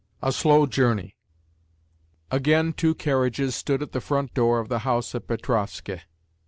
A SLOW JOURNEY Again two carriages stood at the front door of the house at Petrovskoe.